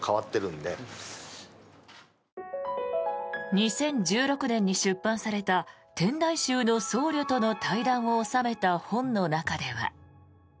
２０１６年に出版された天台宗の僧侶との対談を収めた本の中では。